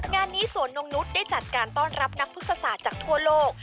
งานนี้สวนนงนุษย์ได้จัดการต้อนรับนักพฤกษาจากทั่วโลก